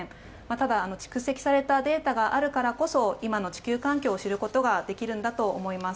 ただ、蓄積されたデータがあるからこそ今の地球環境を知ることができるんだと思います。